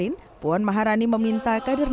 untuk bisa jadi perjuangan menang